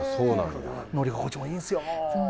乗り心地もいいんですよ。